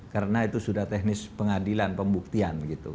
karena itu sudah teknis pengadilan pembuktian gitu